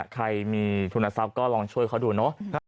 ใครมีทุนทรัพย์ก็ลองช่วยเขาดูเนอะ